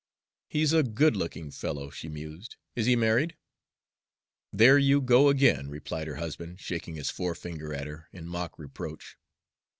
"He's a good looking fellow," she mused. "Is he married?" "There you go again," replied her husband, shaking his forefinger at her in mock reproach.